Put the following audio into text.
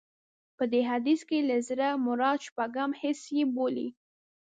په دې حديث کې له زړه مراد شپږم حس يې بولي.